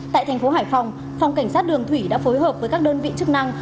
tại thành phố hải phòng phòng cảnh sát đường thủy đã phối hợp với các đơn vị chức năng